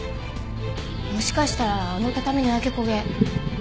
もしかしたらあの畳の焼け焦げ。